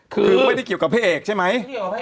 คือไม่ได้เกี่ยวกับพระเอกใช่ไหม